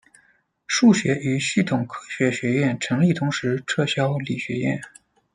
数学与系统科学学院成立同时撤销理学院。